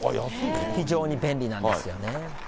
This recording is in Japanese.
非常に便利なんですよね。